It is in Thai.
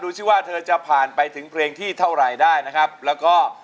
ซิว่าเธอจะผ่านไปถึงเพลงที่เท่าไหร่ได้นะครับแล้วก็